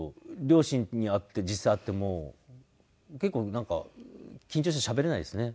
両親に会って実際会っても結構なんか緊張してしゃべれないですね。